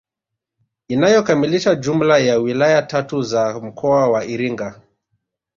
Inayokamilisha jumla ya wilaya tatu za mkoa wa Iringa